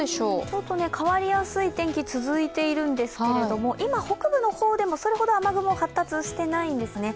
ちょっと変わりやすい天気続いてるんですけど今、北部の方でもそれほど雨雲が発達していないんですね。